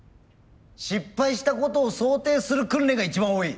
失敗したことを想定する訓練が一番多い。